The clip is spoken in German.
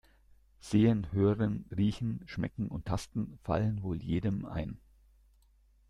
Sehen, Hören, Riechen, Schmecken und Tasten fallen wohl jedem ein.